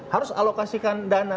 harus alokasikan dana